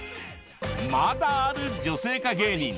まだある女性化芸人。